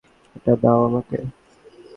এটা দাও আমাকে।